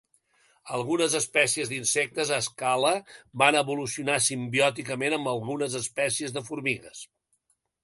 Algunes espècies d'insectes a escala van evolucionar simbiòticament amb algunes espècies de formigues.